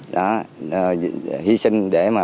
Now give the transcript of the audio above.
đã hy sinh để mà